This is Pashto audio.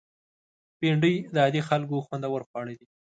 بېنډۍ د عادي خلکو خوندور خواړه دي